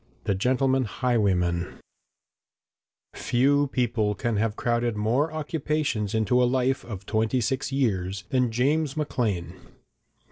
] THE GENTLEMAN HIGHWAYMAN Few people can have crowded more occupations into a life of twenty six years than James Maclean.